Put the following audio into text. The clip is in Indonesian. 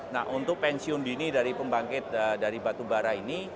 nah untuk pensiun dini dari pembangkit dari batubara ini